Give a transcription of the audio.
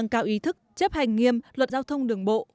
cao ý thức chấp hành nghiêm luật giao thông đường bộ